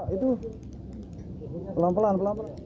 itu pelan pelan pelan